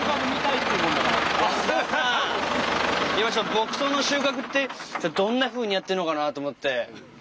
牧草の収穫ってどんなふうにやってんのかなと思って。